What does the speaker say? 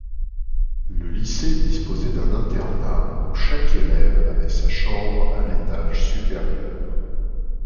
Le lycée disposait d'un internat où chaque élève avait sa chambre à l'étage supérieur.